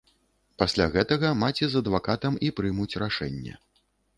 Пасля гэтага маці з адвакатам і прымуць рашэнне.